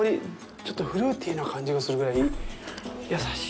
ちょっとフルーティーな感じがするぐらい優しい。